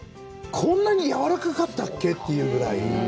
こんなにやわらかかったっけ？というぐらい。